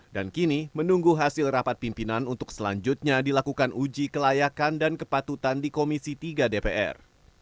dan kini menunggu hasil rapat pimpinan untuk selanjutnya dilakukan uji kelayakan dan kepatutan di komisi tiga dpr